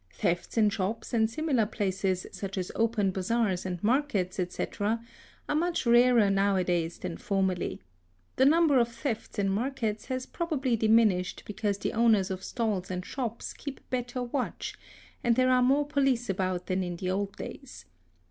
Thefts in shops and similar places such as open bazaars and markets, etc., are much rarer now a days than formerly. The number of thefts in markets has probably diminished because the owners of stalls and shops keep better watch and there are more police about than in the old days.